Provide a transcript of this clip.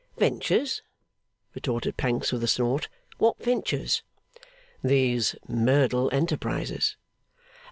'Ventures?' retorted Pancks, with a snort. 'What ventures?' 'These Merdle enterprises.